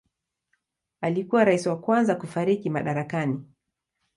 Alikuwa rais wa kwanza kufariki madarakani.